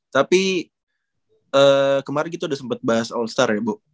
tapi kemarin kita udah sempat bahas all star ya bu